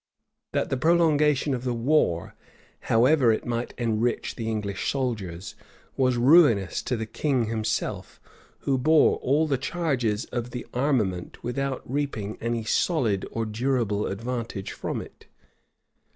That the prolongation of the war, however it might enrich the English soldiers, was ruinous to the king himself, who bore all the charges of the armament, without reaping any solid or durable advantage from it.